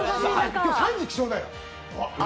今日３時起床だよ。